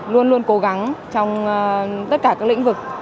luôn luôn cố gắng trong tất cả các lĩnh vực